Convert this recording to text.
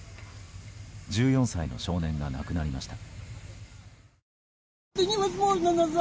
１４歳の少年が亡くなりました。